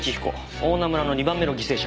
大菜村の２番目の犠牲者。